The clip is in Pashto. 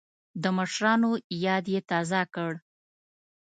د مشرانو یاد یې تازه کړ.